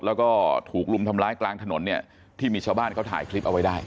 แล้วก็ถูกรุมทำร้ายกลางถนนเนี่ยที่มีชาวบ้านเขาถ่ายคลิปเอาไว้ได้